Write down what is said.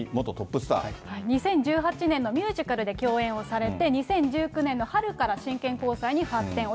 ２０１８年のミュージカルで共演をされて、２０１９年の春から真剣交際に発展。